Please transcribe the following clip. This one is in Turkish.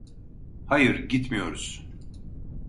Hayır, gitmiyoruz.